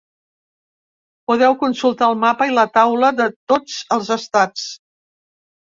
Podeu consultar el mapa i la taula de tots els estats.